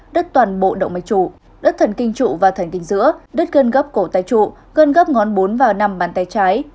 đất toàn bộ động mạch trụ đất thần kinh trụ và thần kinh giữa đất gân gấp cổ tay trụ gân gấp ngón bốn và năm bàn tay trái